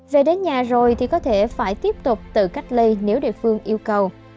về đến nhà rồi thì có thể phải tiếp tục tự cách ly nếu địa phương yêu cầu